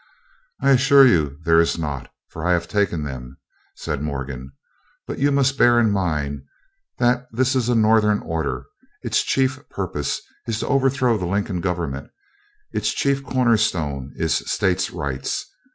"I assure you there is not, for I have taken them," said Morgan; "but you must bear in mind this is a Northern order, its chief purpose to overthrow the Lincoln government; its chief cornerstone is States' Rights.